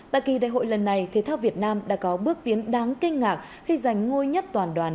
tại kỳ đại hội lần này thể thao việt nam đã có bước tiến đáng kinh ngạc khi giành ngôi nhất toàn đoàn